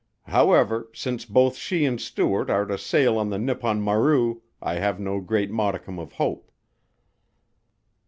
However, since both she and Stuart are to sail on the Nippon Maru I have no great modicum of hope."